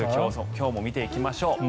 今日も見ていきましょう。